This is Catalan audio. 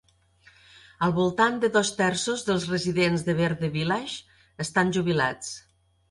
Al voltant de dos terços dels residents de Verde Village estan jubilats.